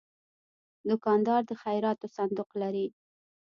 دوکاندار د خیراتو صندوق لري.